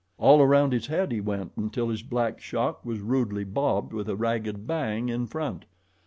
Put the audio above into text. All around his head he went until his black shock was rudely bobbed with a ragged bang in front.